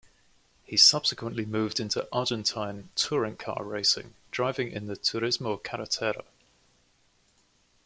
He subsequently moved into Argentine touring car racing, driving in the Turismo Carretera.